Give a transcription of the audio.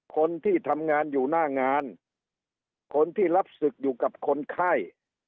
คนที่ทำงานอยู่หน้างานคนที่รับศึกอยู่กับคนไข้